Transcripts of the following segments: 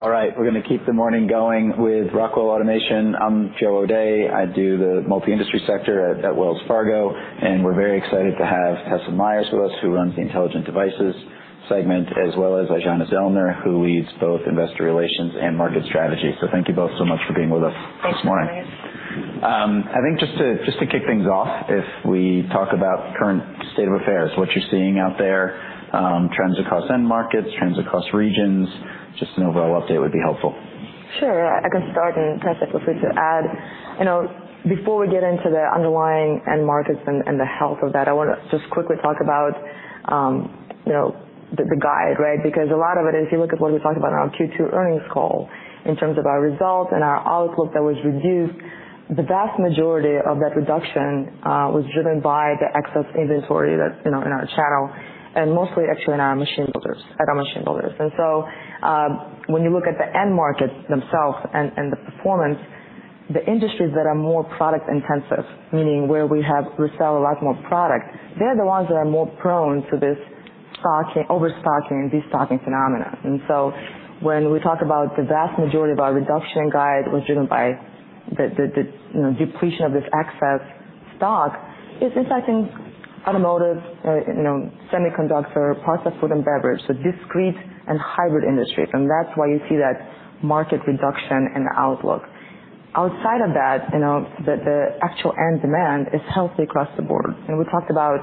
All right, we're going to keep the morning going with Rockwell Automation. I'm Joe O'Dea, I do the multi-industry sector at Wells Fargo and we're very excited to have Tessa Myers with us who runs the intelligent devices segment, as well as Aijana Zellner who leads both investor relations and market strategy. So thank you both so much for being with us this morning. I think just to kick things off, if we talk about current state of affairs, what you're seeing out there, trends across end markets, trends across regions, just an overall update would be helpful. Sure, I can start. Just to add, you know, before we get into the underlying end markets and the health of that, I want to just quickly talk about, you know, the guide. Right. Because a lot of it, if you look at what we talked about on our Q2 earnings call, in terms of our results and our outlook that was reduced, the vast majority of that reduction was driven by the excess inventory that's in our channel and mostly actually in our machine builders. At our machine builders. And so when you look at the end market themselves and the performance, the industries that are more product intensive, meaning where we have resell a lot more product, they're the ones that are more prone to this stocking, overstocking, destocking phenomenon. And so when we talk about the vast majority of the reduction in our guide was driven by the depletion of this excess stock in certain automotive, semiconductor, parts of food and beverage, so discrete and hybrid industries. And that's why you see that market reduction in the outlook. Outside of that, you know, the actual end demand is healthy across the board. And we talked about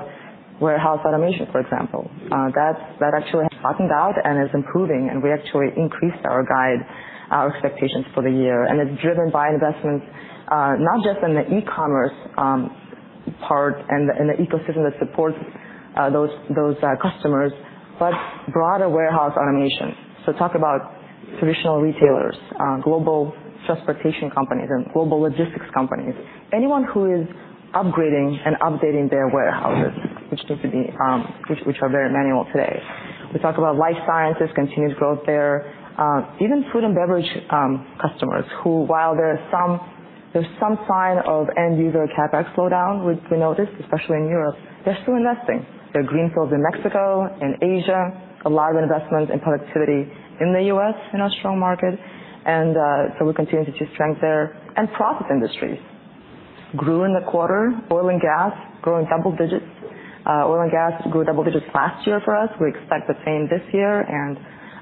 warehouse automation, for example, that actually flattened out and is improving. And we actually increased our guide, our expectations for the year. And it's driven by investments not just in the e-commerce part and the ecosystem that supports those customers, but broader warehouse automation. So talk about traditional retailers, global transportation companies and global logistics companies. Anyone who is upgrading and updating their warehouses, which need to be, which are very manual today. We talk about life sciences, continued growth there, even food and beverage customers who, while there are some, there's some sign of end-user CapEx slowdown, we noticed especially in Europe. They're still investing their greenfields in Mexico and Asia. A lot of investments in productivity in the U.S. in our strong market. So we continue to see strength there. Process industries grew in the quarter. Oil and gas growing double digits. Oil and gas grew double digits last year for us; we expect the same this year.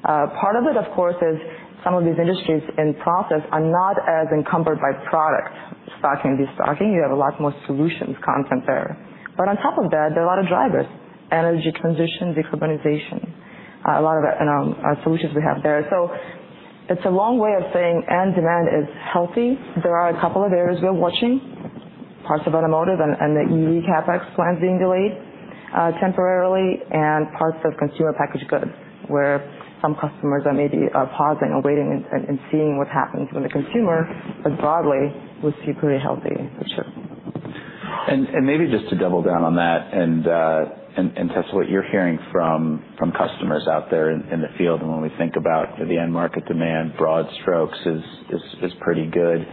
Part of it of course is some of these industries in process are not as encumbered by product stocking and destocking. You have a lot more solutions content there. But on top of that, there are a lot of drivers. Energy transition, decarbonization, a lot of solutions we have there. It's a long way of saying end demand is healthy. There are a couple of areas we're watching parts of automotive and the EV CapEx plans being delayed temporarily and parts of consumer packaged goods where some customers are maybe pausing and waiting and seeing what's happening from the consumer. But broadly would see pretty healthy for sure. Maybe just to double down on that and test what you're hearing from customers out there in the field. When we think about the end market demand, broad strokes is pretty good.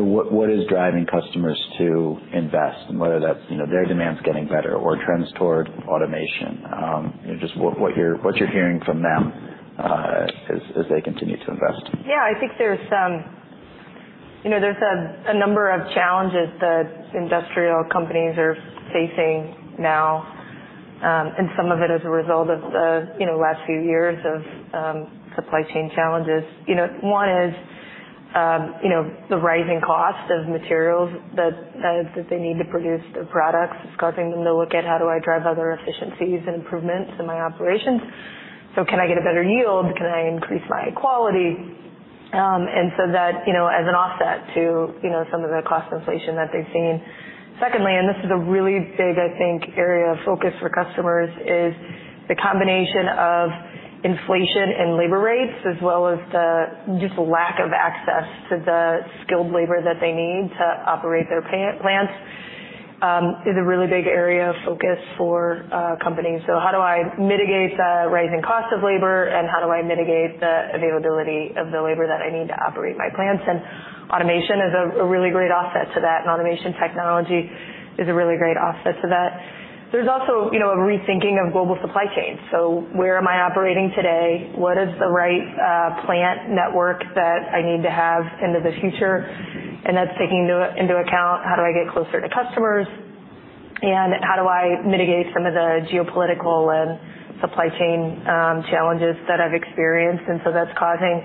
What is driving customers to invest and whether that's their demands getting better or trends toward automation? Just what you're hearing from them as they continue to invest. Yeah, I think there's, you know, there's a number of challenges that industrial companies are facing now, and some of it as a result of, you know, last few years of supply chain challenges. You know, one is, you know, the rising cost of materials that they need to produce their products. It's causing them to look at how do I drive other efficiencies and improvements in my operations, so can I get a better yield, can I increase my quality? And so that, you know, as an offset to, you know, some of the cost inflation that they've seen. Secondly, and this is a really big, I think, area of focus for customers is the combination of inflation and labor rates as well as the just lack of access to the skilled labor that they need to operate their plants is a really big area of focus for companies. So how do I mitigate the rising cost of labor and how do I mitigate the availability of the labor that I need to operate my plants? And automation is a really great offset to that. And automation technology is a really great offset to that. There's also, you know, a rethinking of global supply chain. So where am I operating today? What is the right plant network that I need to have into the future? And that's taking into account how do I get closer to customers and how do I mitigate some of the geopolitical and supply chain challenges that I've experienced? And so that's causing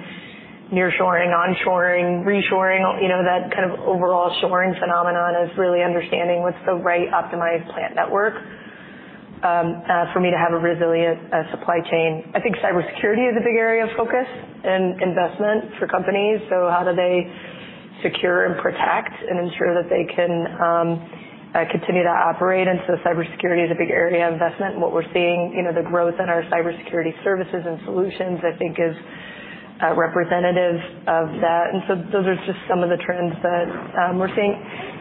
nearshoring, onshoring, reshoring. You know, that kind of overall shoring phenomenon is really understanding what's the right optimized plant network for me to have a resilient supply chain. I think cybersecurity is a big area of focus and investment for companies. So how do they secure and protect and ensure that they can continue to operate? And so cybersecurity is a big area investment. What we're seeing, you know, the growth in our cybersecurity services and solutions, I think is representative of that. And so those are just some of the trends that we're seeing,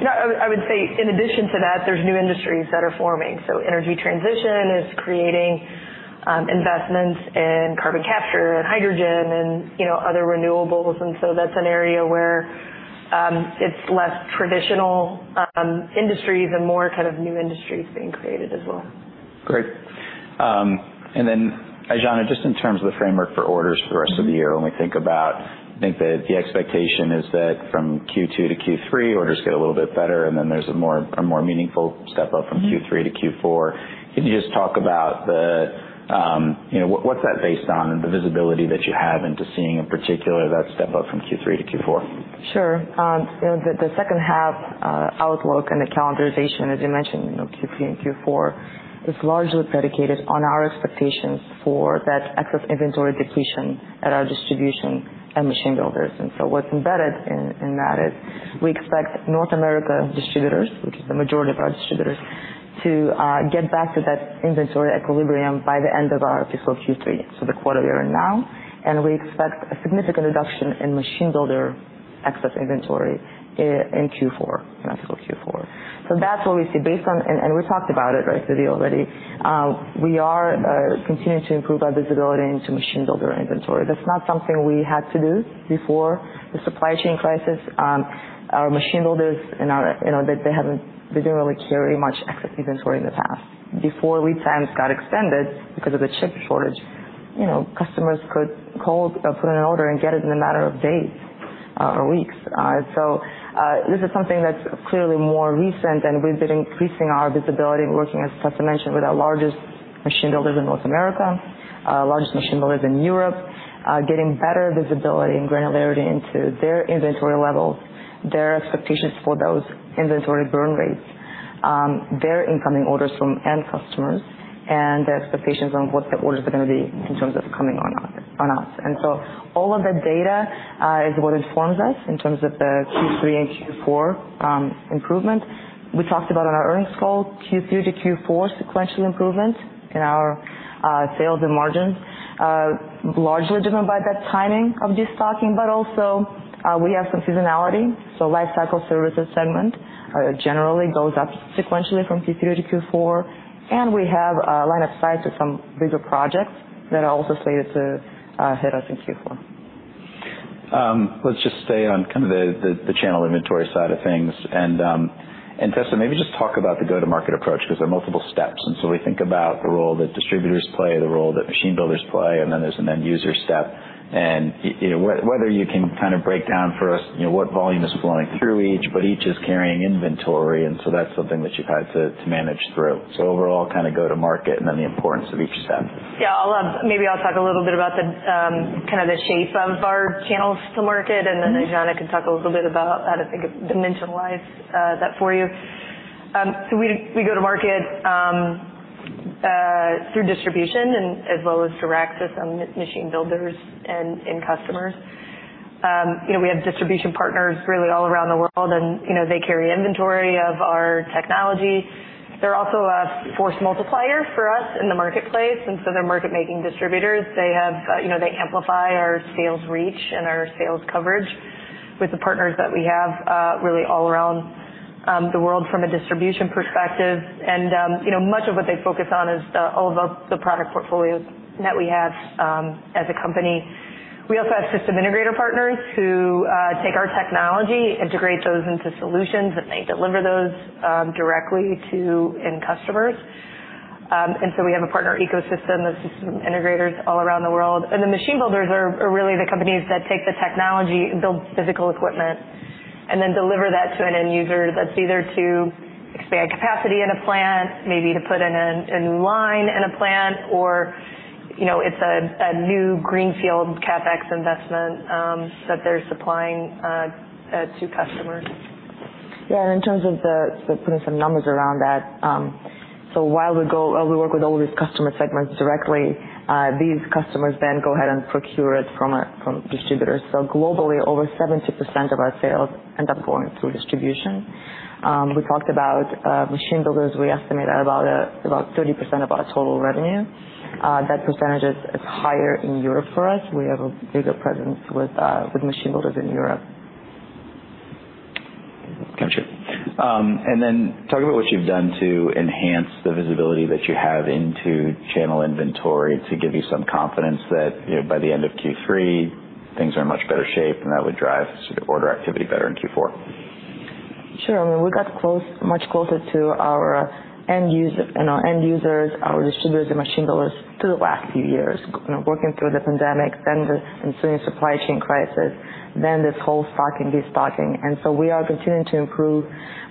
I would say. In addition to that, there's new industries that are forming. So energy transition is creating investments in carbon capture and hydrogen and, you know, other renewables. And so that's an area where it's less traditional industries and more kind of new industries being created as well. Great. And then Aijana, just in terms of the framework for orders for the rest of the year, when we think about, I think that the expectation is that from Q2 to Q3, orders get a little bit better and then there's a more meaningful step up from Q3 to Q4. Can you just talk about the, you know, what's that based on and the visibility that you have into seeing in particular that step up from Q3 to Q4? Sure. The second half outlook and the calendarization, as you mentioned, Q3 and Q4 is largely predicated on our expectations for that excess inventory depletion at our distributors and machine builders. And so what's embedded in that is we expect North America distributors, which is the majority of our distributors, to get back to that inventory equilibrium by the end of our fiscal Q3. So the quarter we are in now, and we expect a significant reduction in machine builder excess inventory in Q4, Q4. So that's what we see based on, and we talked about it right. Already, we are continuing to improve our visibility into machine builder inventory. That's not something we had to do before the supply chain crisis. Our machine builders and our, you know, they haven't, they didn't really carry much inventory in the past before lead times got extended because of the chip shortage. You know, customers could call, put in an order and get it in a matter of days or weeks. So this is something that's clearly more recent and we've been increasing our visibility, working, as I mentioned, with our largest machine builders in North America, largest machine builders in Europe, getting better visibility and granularity into their inventory levels, their expectations for those inventory burn rates, their incoming orders from end customers and their expectations on what the orders are going to be in terms of coming on us. And so all of that data is what informs us in terms of the Q3 and Q4 improvement we talked about on our earnings call, Q3 to Q4 sequential improvement in our sales and margins largely driven by that timing of destocking. But also we have some seasonality, so. So lifecycle services segment generally goes up sequentially from Q3 to Q4. We have a line of sight with some bigger projects that are also slated to hit us in Q4. Let's just stay on kind of the channel inventory side of things. And Tessa, maybe just talk about the go to market approach because there are multiple steps and so we think about the role that distributors play, the role that machine builders play and then there's an end user step and whether you can kind of break down for us what volume is flowing through each, but each is carrying inventory. And so that's something that you've had to manage through. So overall kind of go to market and then the importance of each step. Yeah, maybe I'll talk a little bit about the kind of the shape of our channels to market, and then Aijana can talk a little bit about how to think of, dimensionalize that for you. So we go to market through distribution as well as direct to some machine builders and customers. You know, we have distribution partners really all around the world, and you know, they carry inventory of our technology. They're also a force multiplier for us in the marketplace. And so they're market making distributors. They have, you know, they amplify our sales reach and our sales coverage with the partners that we have really all around the world from a distribution perspective. And you know, much of what they focus on is all of our, the product portfolio that we have as a company. We also have system integrator partners who take our technology, integrate those into solutions and they deliver those directly to end customers. And so we have a partner ecosystem of integrators all around the world. And the machine builders are really the companies that take the technology and build physical equipment and then deliver that to an end user. That's either to expand capacity in a plant, maybe to put in a new line in a plant or you know, it's a new greenfield CapEx investment that they're supplying to customers. Yeah. And in terms of putting some numbers around that. So while we go, we work with all these customer segments directly, these customers then go ahead and procure it from distributors. So globally over 70% of our sales ends up going through distribution. We talked about machine builders. We estimate at about 30% of our total revenue. That percentage is higher in Europe. For us, we have a bigger presence with machine builders in Europe. Then talk about what you've done to enhance the visibility that you have into channel inventory to give you some confidence that you know, by the end of Q3 things are in much better shape. That would drive order activity better in Q4. Sure. I mean, we got close, much closer to our end user and our end users, our distributors and machine builders to the last few years working through the pandemic, then the ensuing supply chain crisis, then this whole stocking, destocking. And so we are continuing to improve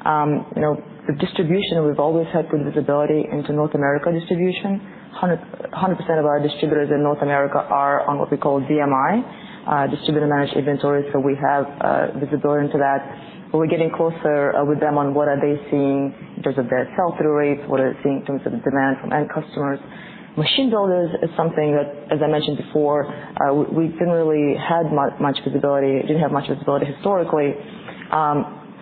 the distribution. We've always had good visibility into North America distribution. 100% of our distributors in North America are on what we call DMI, Distributor Manufacturer Integration. So we have visibility into that, but we're getting closer with them on what are they seeing in terms of their sell through rates, what are they seeing in terms of demand from end customers. Machine builders is something that, as I mentioned before, we didn't really had much visibility. Didn't have much visibility historically.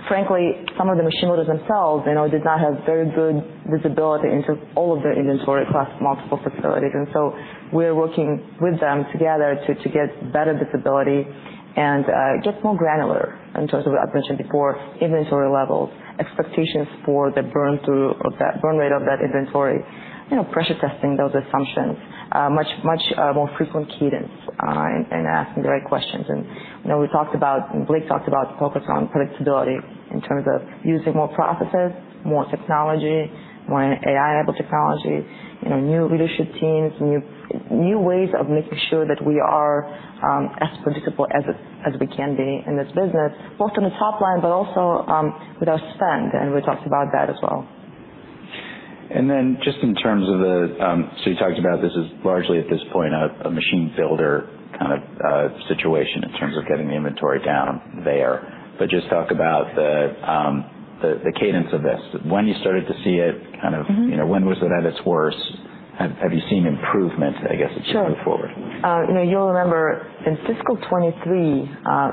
Frankly, some of the machine builders themselves did not have very good visibility into all of their inventory across multiple facilities. So we are working with them together to get better visibility and get more granular in terms of what I've mentioned before, inventory levels, expectations for the burn through of that burn rate of that inventory, you know, pressure testing those assumptions, much more frequent cadence and asking the right questions. Now we talked about—Blake talked about—focus on process visibility in terms of using more processes, more technology, you know, new leadership teams, new ways of making sure that we are as predictable as we can be in this business, both in the top line, but also with our spend. We talked about that as well. Just in terms of the, so you talked about this is largely at this point a machine builder kind of situation in terms of getting the inventory down there. But just talk about the cadence of this. When you started to see it kind of, you know, when was it at its worst? Have you seen improvement? I guess, going forward, you know, you'll remember in fiscal 2023,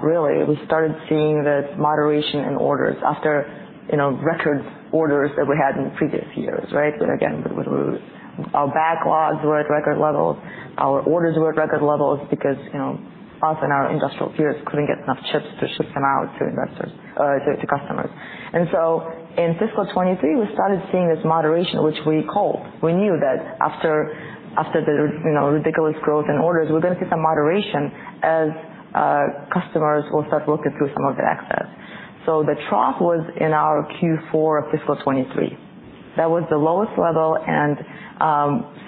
really we started seeing that moderation in orders after, you know, record orders that we had in previous years. Right. Again, our backlogs were at record levels, our orders were at record levels because, you know, often our industrial peers couldn't get enough chips to ship them out to investors, to customers. And so in fiscal 2023 we started seeing this moderation which we called. We knew that after the ridiculous growth in orders, we're going to see some moderation as customers will start working through some of the excess. So the trough was in our Q4 of fiscal 2023 that was the lowest level. And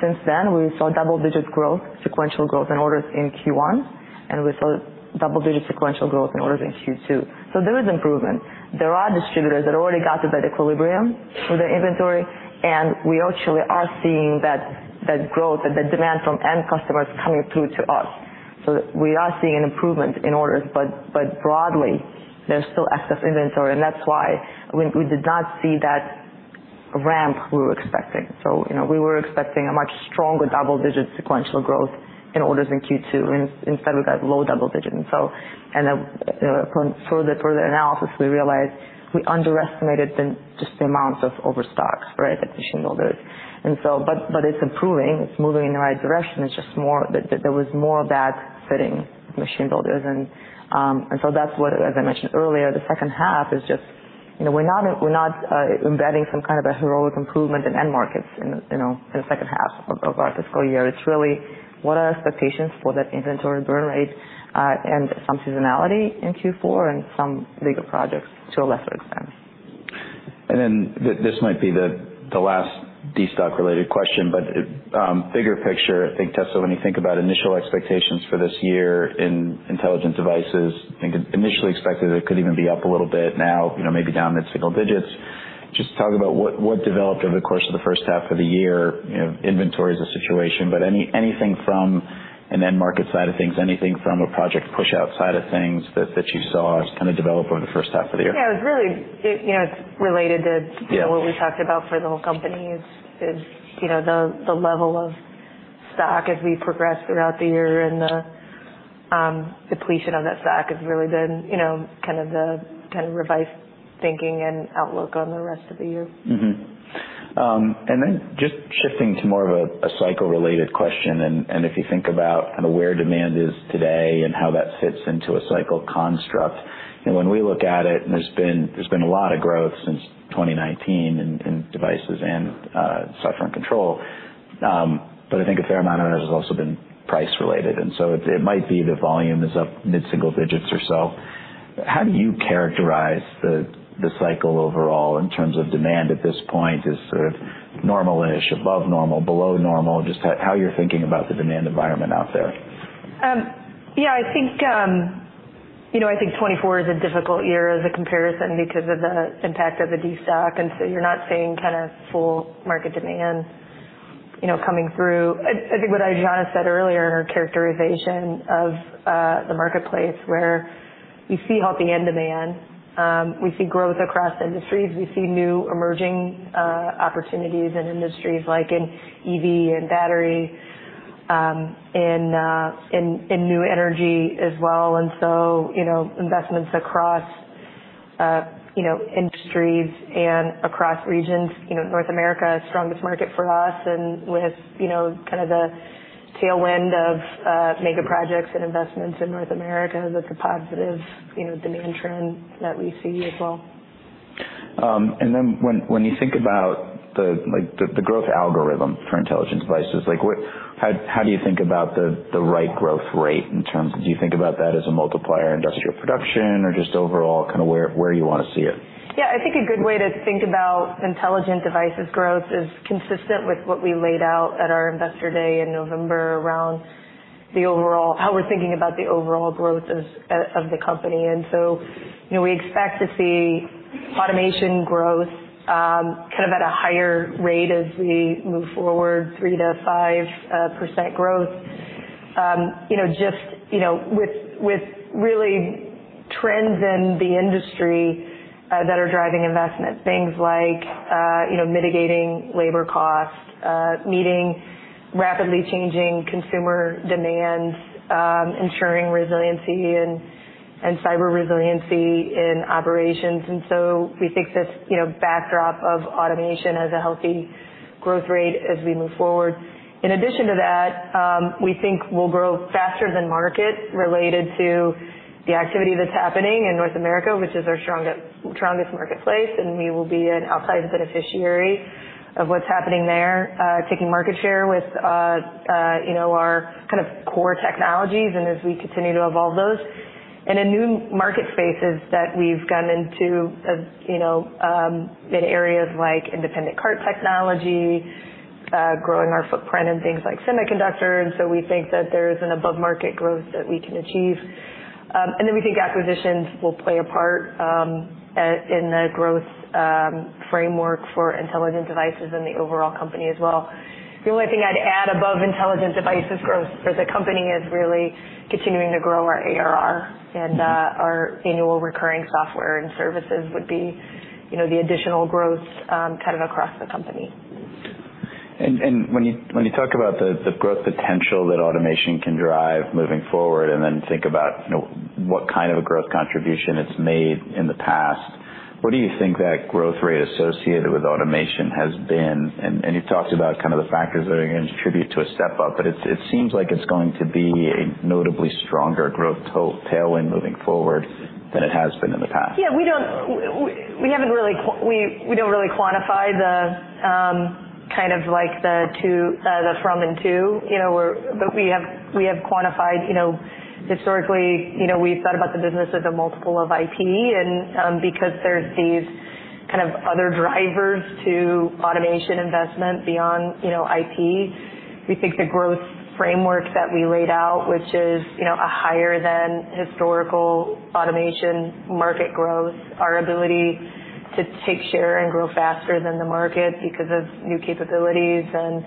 since then we saw double-digit growth, sequential growth in orders in Q1 and we saw double-digit sequential growth in orders in Q2. So there is improvement. There are distributors that already got to that equilibrium for the inventory and we actually are seeing that growth and the demand from end customers coming through to us. So we are seeing an improvement in orders, but broadly there's still excess inventory and that's why we did not see that ramp we were expecting. So you know, we were expecting a much stronger double-digit sequential growth in orders in Q2 and instead we got low double-digit. And further analysis we realized we underestimated just the amount of overstocks. Right. That we should know. And so, but it's improving, it's moving in the right direction. It's just more; there was more of that sitting machine builders. And so that's what, as I mentioned earlier, the second half is just, you know, we're not, we're not embedding some kind of a heroic improvement in end markets, you know, in the second half of our fiscal year. It's really what are expectations for that inventory burn rate and some seasonality in Q4 and some bigger projects to a lesser extent. Then this might be the last destock related question, but bigger picture I think Tessa, when you think about initial expectations for this year in Intelligent Devices, initially expected it could even be up a little bit now, you know, maybe down mid single digits. Just talk about what developed over the course of the first half of the year. Inventory is a situation, but anything from an end market side of things, anything from a project pushout side of things that you saw kind of develop over the first half of the year. It's really, you know, it's related to what we talked about for the whole company, you know, the level of stock as we progress throughout the year and the depletion of that stock has really been, you know, kind of the kind of revised thinking and outlook on. The rest of the year and then just shifting to more of a cycle-related question. And if you think about kind of where demand is today and how that fits into a cycle construct and when we look at it, there's been a lot of growth since 2019 in devices and software and control, but I think a fair amount of has also been price related. And so it might be the volume is up mid single digits or so. How do you characterize the cycle overall in terms of demand at this point is sort of normal-ish, above normal, below normal. Just how you're thinking about the demand environment out there? Yeah, I think, you know, I think 2024 is a difficult year as a comparison because of the impact of the destocking. And so you're not seeing kind of full market demand, you know, coming through. I think what Aijana said earlier, characterization of the marketplace where we see healthy end demand, we see growth across industries. We see new emerging opportunities in industries like in EV and battery, in new energy as well. And so, you know, investments across, you know, industries and across regions, you know, North America, strongest market for us. And with, you know, kind of the tailwind of mega projects and investments in North America, that's a positive, you know, demand trend that we see as well. And then when you think about the growth algorithm for intelligent devices, like how do you think about the right growth rate in terms of, do you think about that as a multiplier industrial production or just overall kind of where you want to see it? Yeah, I think a good way to think about intelligent devices growth is consistent with what we laid out at our investor day in November around the overall how we're thinking about the overall growth as of the company. And so, you know, we expect to see automation growth kind of at a higher rate as we move forward. 3%-5% growth, you know, just, you know, with, with really trends in the industry that are driving investment things like, you know, mitigating labor cost meeting, rapidly changing consumer demand, ensuring resiliency and cyber resiliency in operations. And so we think this backdrop of automation has a healthy growth rate as we move forward. In addition to that, we think we'll grow faster than market related to the activity that's happening in North America, which is our strongest marketplace. We will be an outsized beneficiary of what's happening there, taking market share with, you know, our kind of core technologies. As we continue to evolve those and in new market spaces that we've gone into, you know, in areas like Independent Cart Technology, growing our footprint in things like semiconductor. So we think that there is an above market growth that we can achieve. Then we think acquisitions will play a part in the growth for framework for Intelligent Devices and the overall company as well. The only thing I'd add above Intelligent Devices growth for the company is really continuing to grow our ARR and our annual recurring software and services would be the additional growth kind of across the company. When you talk about the growth potential that automation can drive moving forward and then think about what kind of a growth contribution it's made in the past. What do you think that growth rate associated with automation has been? You talked about kind of the factors that are going to contribute to a step up, but it seems like it's going to be a notably stronger growth tailwind moving forward than it has been in the past. Yeah, we don't, we haven't really, we, we don't really quantify the kind of like the two, the from and to, you know, where we have, we have quantified, you know, historically, you know, we thought about the business as a multiple of IP and because there's these kind of other drivers to automation investment beyond, you know, IP. We think the growth framework that we laid out, which is, you know, a higher than historical automation market growth, our ability to take share and grow faster than the market because of new capabilities and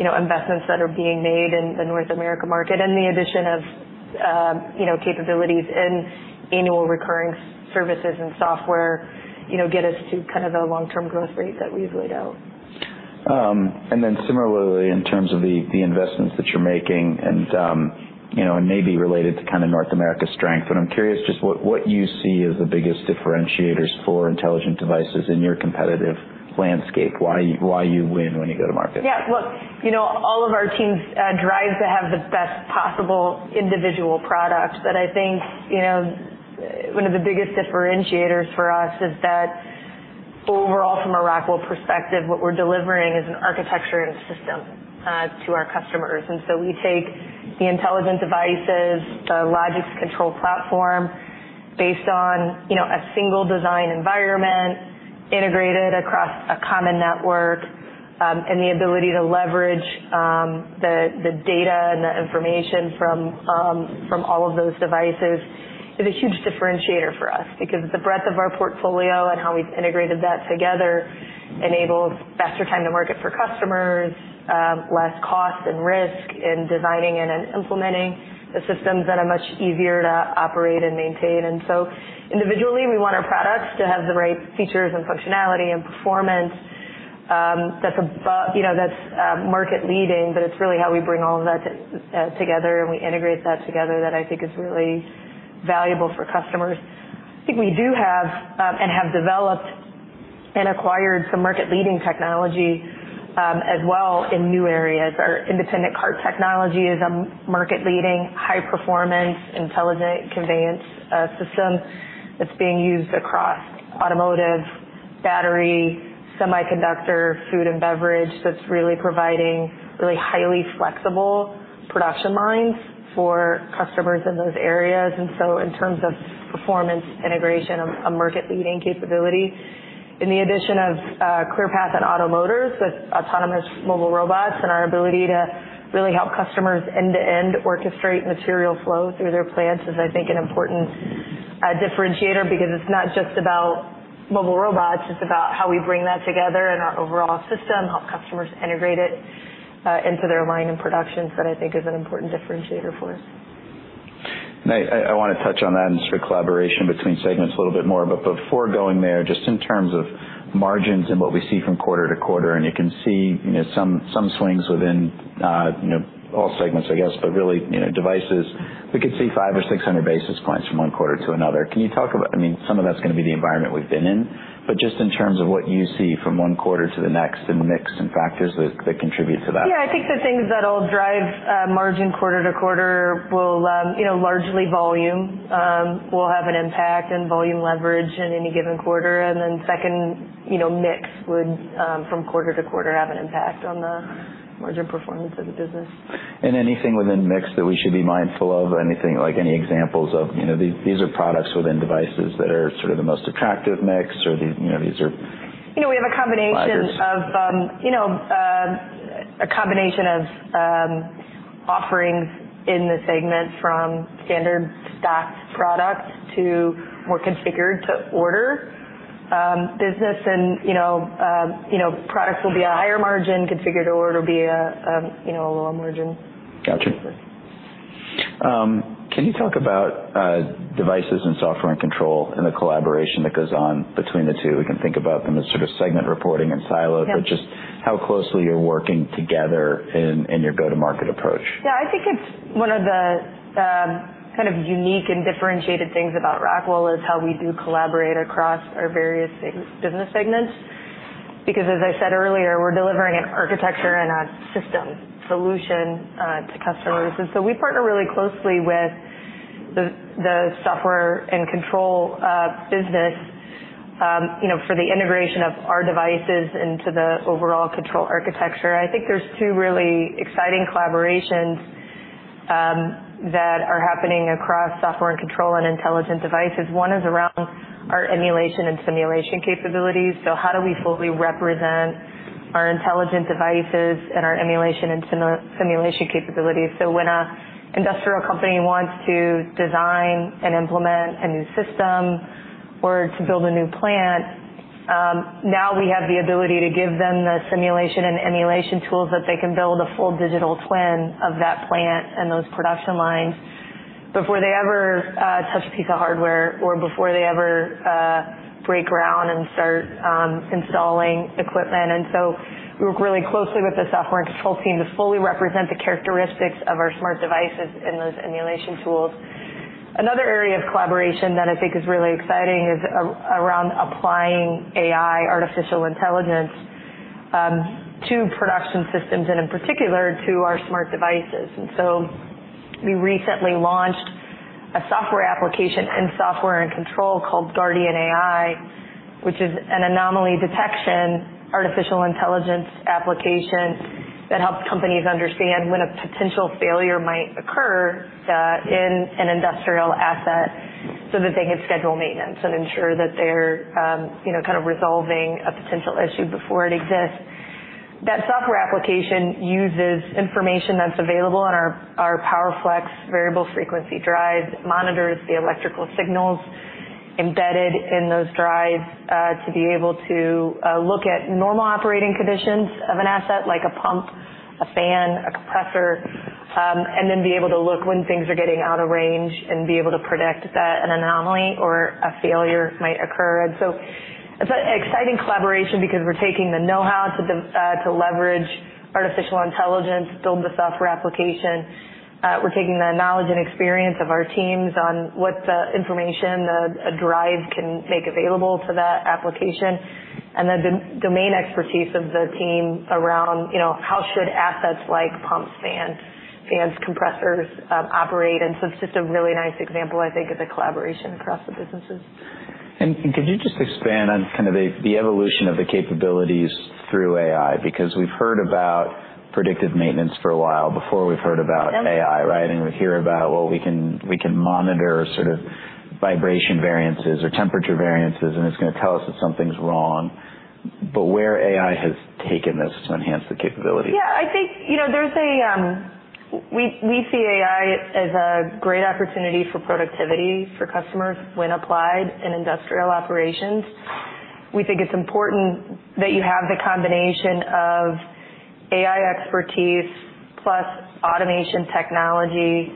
investments that are being made in the North America market and the addition of capabilities in annual recurring services and software get us to kind of the long term growth rate that we've laid out. And then similarly in terms of the investments that you're making and maybe related to kind of North America strength. But I'm curious just what you see as the biggest differentiators for intelligent devices in your competitive landscape, why you win when you go to market. Yeah, look, all of our teams drive to have the best possible individual products. But I think one of the biggest differentiators for us is that overall from a Rockwell perspective, what we're delivering is an architecture and system to our customers. And so we take the intelligent devices, the Logix scalable control platform based on a single design environment integrated across a common network and the ability to leverage the data and the information from all of those devices is a huge differentiator for us because the breadth of our portfolio and how we've integrated that together enables faster time to market for customers, less cost and risk in designing and implementing the systems that are much easier to operate and maintain. So individually we want our products to have the right features and functionality and performance that's above, you know, that's market leading, but it's really how we bring all of that together and we integrate that together that I think is really valuable for customers. I think we do have and have developed and acquired some market leading technology as well in new areas. Our Independent Cart Technology is a market leading, high performance intelligent conveyance system that's being used across automotive, battery, semiconductor, food and beverage. That's really providing really highly flexible production lines for customers in those areas. In terms of platform integration, our edge computing capability in addition to Clearpath and OTTO Motors with autonomous mobile robots and our ability to really help customers end-to-end orchestrate material flow through their plants is, I think, an important differentiator because it's not just about mobile robots, it's about how we bring that together in our overall system, help customers integrate it into their production line. That, I think, is an important differentiator for us. I want to touch on that and sort of collaboration between segments a little bit more. But before going there, just in terms of margins and what we see from quarter to quarter and you can see some swings within all segments, I guess. But really devices we could see five or 600 basis points from one quarter to the next. Can you talk about that? I mean some of that's going to be the environment we've been in. But just in terms of what you see from one quarter to the next and mix and factors that contribute to that. Yeah, I think the things that will drive margin quarter to quarter will, you know, largely volume will have an impact and volume leverage in any given quarter, and then second mix would from quarter to quarter have an impact on the margin performance of the business. Anything within mix that we should be mindful of, anything like any examples of these are products within devices that are sort of the most attractive mix or these are. We have a combination of offerings in the segment from standard stock product to more configured to order business, and you know, products will be a higher margin, configured to order be, you know, a lower margin. Gotcha. Can you talk about devices and software and control and the collaboration that goes on between the two? We can think about them as sort of segment reporting and siloed. But just how closely you're working together in your go to market approach? Yeah, I think it's one of the kind of unique and differentiated things about Rockwell: how we do collaborate across our various business segments. Because, as I said earlier, we're delivering an architecture and a system solution to customers. And so we partner really closely with the software and control business for the integration of our devices into the overall control architecture. I think there's two really exciting collaborations that are happening across software and control and intelligent devices. One is around our emulation and simulation capabilities. So how do we fully represent our intelligent devices and our emulation and simulation capabilities? So when our industrial company wants to design and implement a new system or to build a new plant, now we have the ability to give them the simulation and emulation tools that they can build a full digital twin of that plant and those production lines before they ever touch a piece of hardware or before they ever break ground and start installing equipment. And so we work really closely with the software and control team to fully represent the characteristics of our smart devices in those emulation tools. Another area of collaboration that I think is really exciting is around applying AI artificial intelligence to production systems and in particular to our smart devices. We recently launched a software application in software and control called Guardian AI, which is an anomaly detection artificial intelligence application that helps companies understand when a potential failure might occur in an industrial asset so that they can schedule maintenance and ensure that they're kind of resolving a potential issue before it exists. That software application uses information that's available on our PowerFlex variable frequency drive, monitors the electrical signals embedded in those drives to be able to look at normal operating conditions of an asset like a pump, a fan, a compressor, and then be able to look when things are getting out of range and be able to predict that an anomaly or a failure might occur. And so it's an exciting collaboration because we're taking the know how to, to leverage artificial intelligence, build the software application, we're taking the knowledge and experience of our teams on what the information a drive can make available to that application and then the domain expertise of the team around, you know, how should assets like pumps, fans, fans, compressors operate? And so it's just a really nice example, I think, of the collaboration across the businesses. Could you just expand on kind of the evolution of the capabilities through AI? Because we've heard about predictive maintenance for a while before we've heard about AI. Right. And we hear about, well, we can monitor sort of vibration variances or temperature variances and it's going to tell us that something's wrong. But where AI has taken this to enhance the capability? Yeah, I think, you know, there's, we see AI as a great opportunity for productivity for customers when applying in industrial operations. We think it's important that you have the combination of AI expertise plus automation technology,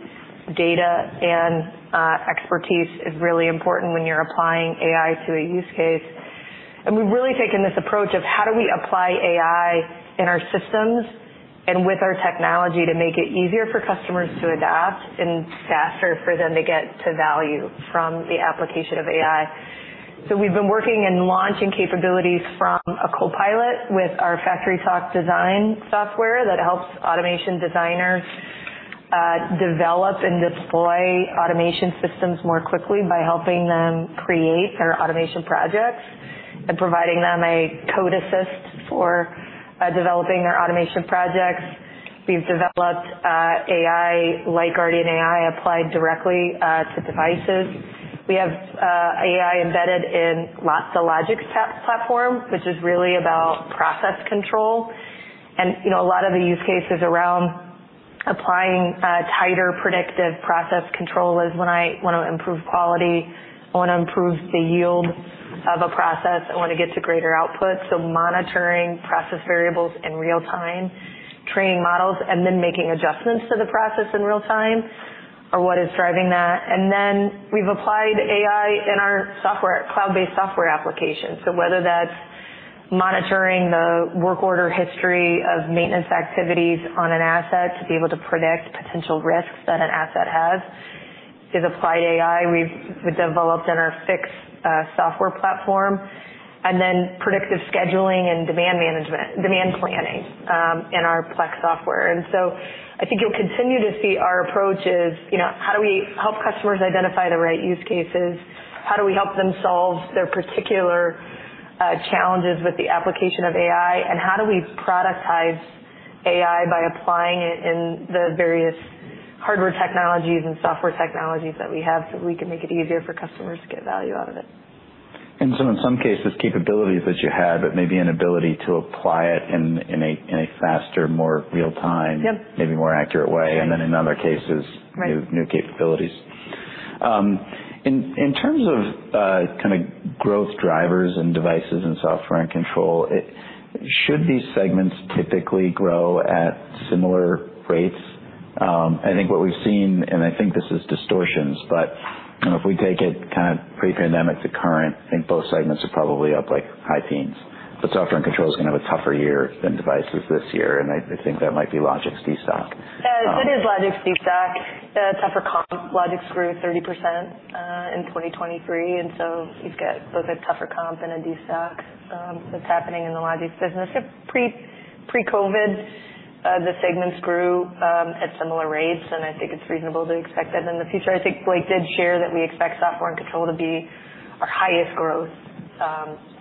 data and expertise is really important when you're applying AI to a use case. We've really taken this approach of how do we apply AI in our systems and with our technology to make it easier for customers to adapt and faster for them to get to value from the application of AI. So we've been working and launching capabilities from a Copilot with our FactoryTalk Design software that helps automation designers develop and deploy automation systems more quickly by helping them create their automation projects and providing them a code assist for developing their automation projects. We've developed FactoryTalk Analytics GuardianAI applied directly to devices. We have AI embedded in lots of Logix platform which is really about process control. And you know, a lot of the use cases around applying tighter predictive process control is when I want to improve quality, I want to improve the yield of a process, I want to get to greater output. So monitoring process variables in real time, training models and then making adjustments to the process in real time are what is driving that. And then we've applied AI in our software cloud-based software applications. So whether that's monitoring the work order history of maintenance activities on an asset to be able to predict potential risks that an asset has is applied AI. We've developed in our field software platform and then predictive scheduling and demand management demand planning in our Plex software. And so I think you'll continue to see our approach is, you know, how do we help customers identify the right use cases, how do we help them solve their particular challenges with the application of AI and how do we productize AI by applying it in the various hardware technologies and software technologies that we have so we can make it easier for customers to get value out of it. And so in some cases capabilities that you had, but maybe an ability to apply it in a faster, more real-time, maybe more accurate way and then in other cases new capabilities. In terms of kind of growth drivers and devices and software and control, should these segments typically grow at similar rates? I think what we've seen and I think this is distortions but if we take it kind of pre-pandemic to current, I think both segments are probably up like high teens. But software and control is going to have a tougher year than devices this year. And I think that might be Logix's destock. It's Logix destock, tougher comp. Logix grew 30% in 2023 and so you've got both a tougher comp and a deep stack that's happening in the Logix business. Pre-Covid the segments grew at similar rates and I think it's reasonable to expect that in the future. I think Blake did share that we expect software and control to be our highest growth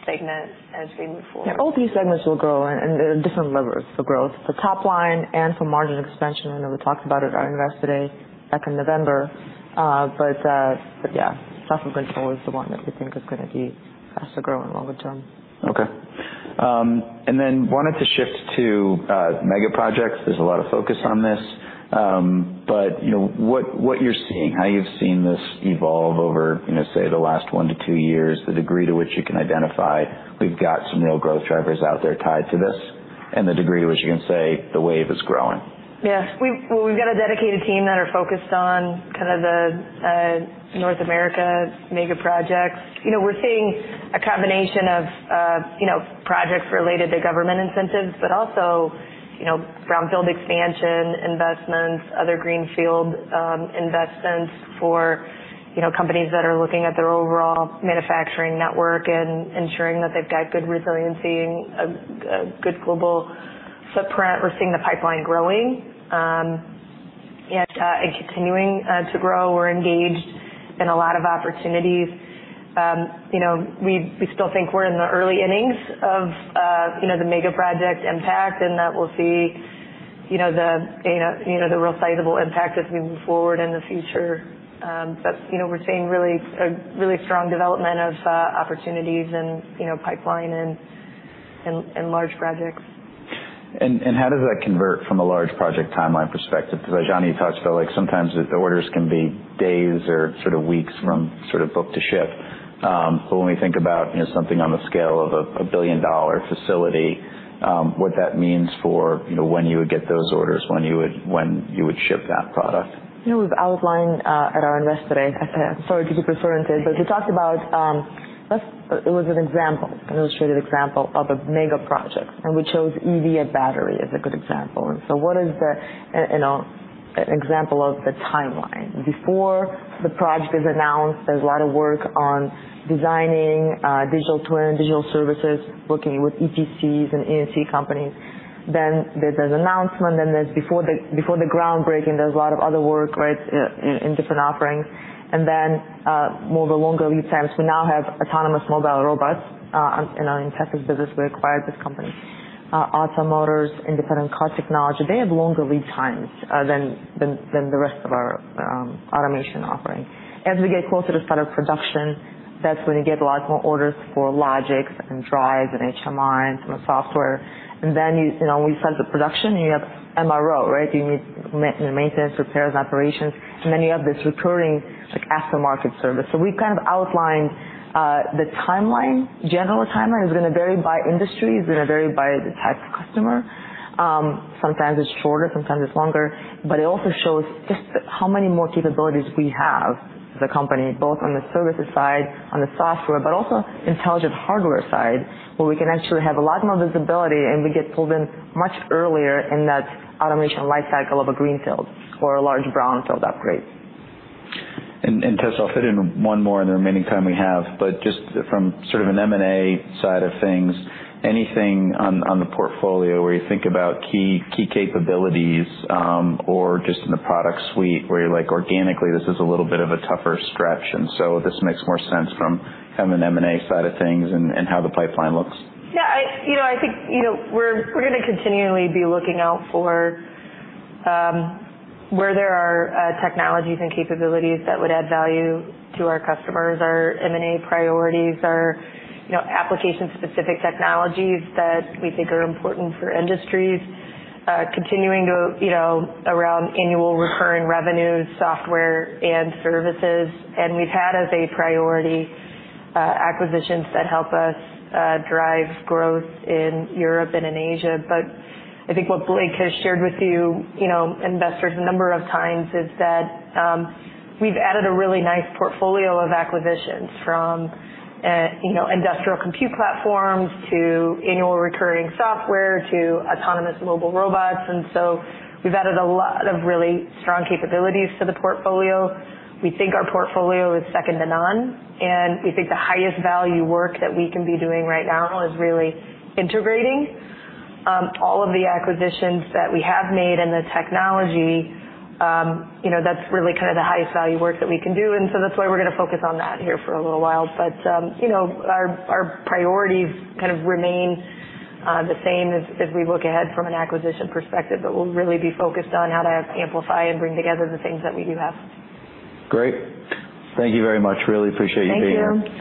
segment. As we move forward. All these segments will grow and different levers for growth, for top line and for margin expansion. We talked about it at Investor Day back in November. But yeah, software control is the one that we think is going to be faster growing, longer term okay. And then wanted to shift to Mega Projects. There's a lot of focus on this. But you know, what, what you're seeing, how you've seen this evolve over, you know, say the last 1-2 years, the degree to which you can identify, we've got some real growth drivers out there tied to this and the degree to which you can say the wave is growing. Yes, we've got a dedicated team that are focused on kind of the North America mega projects. You know, we're seeing a combination of, you know, projects related to government incentives, but also, you know, brownfield expansion investments, other greenfield investments for, you know, companies that are looking at their overall manufacturing network and ensuring that they've got good resiliency and good global footprint. We're seeing the pipeline growing and continuing to grow. We're engaged in a lot of opportunities. You know, we still think we're in the early innings of, you know, the mega project impact and that we'll see, you know, the, you know, the real sizable impact as we move forward in the future. But you know, we're seeing really strong development of opportunities and you know, pipeline and, and large projects. And how does that convert from a large project timeline perspective? Because you talked about like sometimes the orders can be days or sort of weeks from sort of book to ship. But when we think about something on the scale of a $1 billion facility, what that means for when you would get those orders, when you would, when you would ship that product. You know, we've outlined at our investor day, sorry to be, we talked about, it was an example, an illustrated example of a mega project and we chose EV battery as a good example. And so what is the, you know, an example of the timeline before the project is announced? There's a lot of work on designing digital twin digital services, working with EPCs and EPC companies. Then there's an announcement and there's. Before the groundbreaking, there's a lot of other work. Right. In different offerings and then more the longer lead times. We now have autonomous mobile robots in our Intelligent Devices business. We acquired this company, OTTO Motors Independent Cart Technology. They have longer lead times than the rest of our automation offering. As we get closer to start of production, that's when you get a lot more orders for Logix and drives and HMIs, more software. And then we set the production. You have MRO, right? You need maintenance, repairs, operations and then you have this recurring aftermarket service. So we've kind of outlined the timeline. General timeline is going to vary by industry, is going to vary by the type of customer. Sometimes it's shorter, sometimes it's longer. But it also shows just how many more capabilities we have as a company, both on the services side, on the software, but also intelligent hardware side where we can actually have a lot more visibility. And we get pulled in much earlier in that automation life cycle of a greenfield or a large brownfield upgrade. Tessa, I'll fit in one more in the remaining time we have. Just from sort of an M&A side of things. Anything on the portfolio where you think about key capabilities or just in the product suite where you're like organically, this is a little bit of a tougher stretch. This makes more sense from an M&A side of things and how the pipeline looks. Yeah, you know, I think, you know, we're going to continually be looking out for where there are technologies and capabilities that would add value to our customers. Our M&A priorities are, you know, application specific technologies that we think are important for industries continuing to, you know, around annual recurring revenues, software and services. And we've had as a priority acquisitions that help us drive growth in Europe and in Asia. But I think what Blake has shared with you investors a number of times is that we've added a really nice portfolio of acquisitions from industrial compute platforms to annual recurring software, to autonomous mobile robots. And so we've added a lot of really strong capabilities to the portfolio. We think our portfolio is second to none. We think the highest value work that we can be doing right now is really integrating all of the acquisitions that we have made and the technology. You know, that's really kind of the highest value work that we can do. So that's why we're going to focus on that here for a little while. You know, our priorities kind of remain the same as we look ahead from an acquisition perspective, but we'll really be focused on how to amplify and bring together the things that we do have. Great, thank you very much. Really appreciate you being here. Thank you.